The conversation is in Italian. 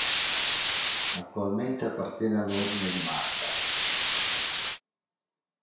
Attualmente appartiene all'Ordine di Malta.